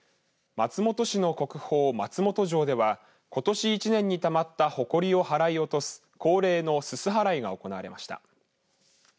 松本市の国宝、松本城ではことし１年にたまったほこりを払い落とす恒例のすす払いが行われました。